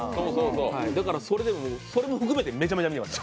だからそれも含めてめちゃめちゃ見ていました。